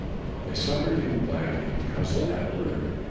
And they suffered him gladly because of that word.